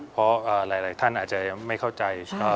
เพราะหลายท่านอาจจะยังไม่เข้าใจ